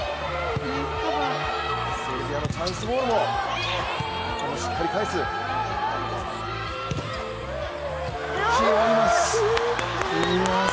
セルビアのチャンスボールもしっかり返す。